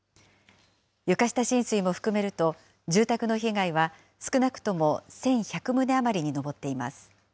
床下浸水も含めると、住宅の被害は少なくとも１１００棟余りに上っています。